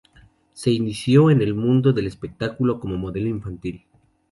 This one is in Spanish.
Se inició en el mundo del espectáculo como modelo infantil.